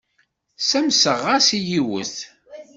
Ssamseɣ-as i yiwet.